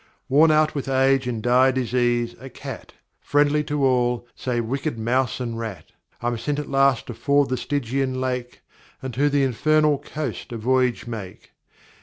"Worn out with age and dire disease, a cat, Friendly to all, save wicked mouse and rat, I'm sent at last to ford the Stygian lake, And to the infernal coast a voyage make.